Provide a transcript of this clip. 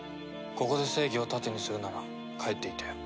ここで正義を盾にするなら帰っていたよ。